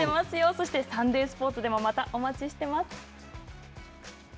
そしてサンデースポーツでもまたお待ちしてます。